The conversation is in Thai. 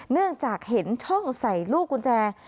เนื่องจากเห็นช่องใส่ลูกกุญแจ